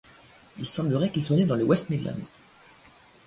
Il semblerait qu'il soit né dans les West Midlands.